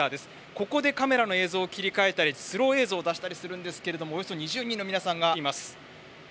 ここでカメラの映像を切り替えたりスロー映像を出したりするんですけれどもおよそ２０人の皆さんがいます。